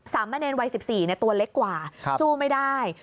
มะเนรวัย๑๔ตัวเล็กกว่าสู้ไม่ได้